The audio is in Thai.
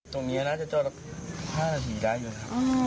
ตรงนี้น่าจะจอดสัก๕นาทีได้อยู่ครับ